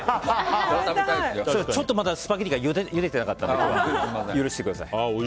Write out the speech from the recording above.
ちょっとまだスパゲティがゆでてなかったので今日は許してください。